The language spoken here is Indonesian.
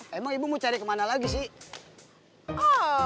emang ibu mau cari kemana lagi sih